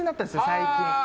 最近。